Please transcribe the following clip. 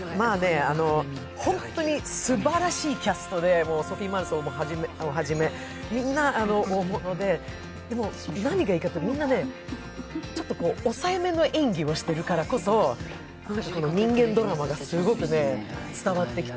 本当にすばらしいキャストで、ソフィー・マルソーを初め、みんな大物で、でも何がいいかっていうと、みんな、ちょっと抑えめの演技をしてるからこそ人間ドラマがすごく伝わってきて。